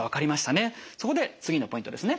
そこで次のポイントですね。